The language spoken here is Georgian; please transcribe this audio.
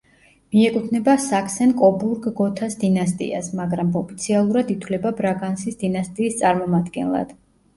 მიეკუთვნება საქსენ-კობურგ-გოთას დინასტიას, მაგრამ ოფიციალურად ითვლება ბრაგანსის დინასტიის წარმომადგენლად.